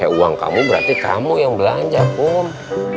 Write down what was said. oh berarti kamu yang belanja pum